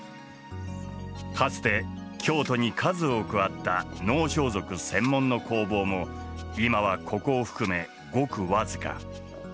かつて京都に数多くあった能装束専門の工房も今はここを含めごく僅か。